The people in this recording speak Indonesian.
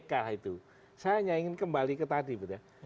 saya hanya ingin kembali ke tadi bud ya